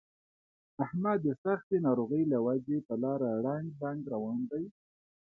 احمد د سختې ناروغۍ له وجې په لاره ړنګ بنګ روان دی.